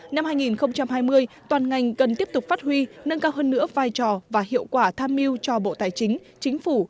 năm hai nghìn hai mươi toàn ngành cần tiếp tục phát huy nâng cao hơn nữa vai trò và hiệu quả tham mưu cho bộ tài chính chính phủ